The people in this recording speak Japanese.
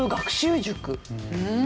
うん。